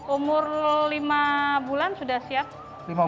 umur lima bulan sudah siap